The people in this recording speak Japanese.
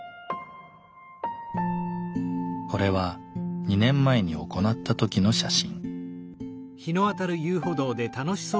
これは２年前に行った時の写真。